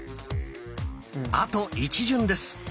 あと一巡です。